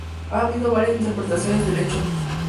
Ha habido varias interpretaciones del hecho.